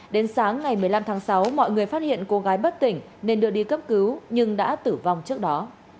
đến sáng ngày một mươi năm tháng sáu mọi người phát hiện cô gái bất tỉnh nên đưa đi cấp cứu nhưng đã tử vong trước đó